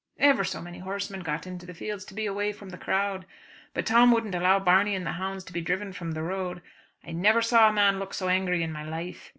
Ever so many horsemen got into the fields to be away from the crowd. But Tom wouldn't allow Barney and the hounds to be driven from the road. I never saw a man look so angry in my life.